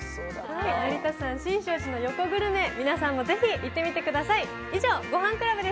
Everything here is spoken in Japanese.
成田山新勝寺の横グルメ、皆さんもぜひ行ってみてください。